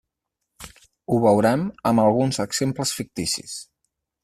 Ho veurem amb alguns exemples ficticis.